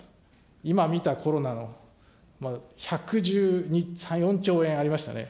今見たコロナの１１３、４兆円ありましたね。